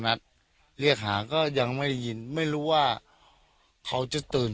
นัดเรียกหาก็ยังไม่ได้ยินไม่รู้ว่าเขาจะตื่น